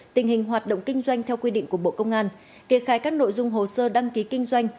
tình hình hoạt động kinh doanh theo quy định của bộ công an kê khai các nội dung hồ sơ đăng ký kinh doanh